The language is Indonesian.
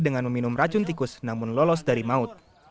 dengan meminum racun tikus namun lolos dari maut